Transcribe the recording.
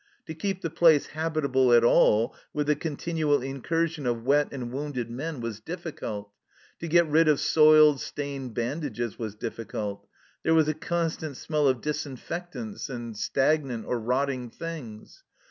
To keep the place habitable at all, with the continual incursion of wet and wounded men, was difficult. To get rid of soiled, stained bandages was difficult. There was a constant smell of disinfectants and stagnant or rotting things.